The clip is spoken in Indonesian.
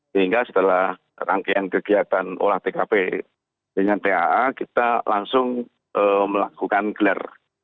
sehingga setelah rangkaian kegiatan olah tkp dengan taa kita langsung melakukan gelar